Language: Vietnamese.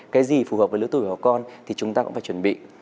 cái gì phù hợp với lứa tuổi của con thì chúng ta cũng phải chuẩn bị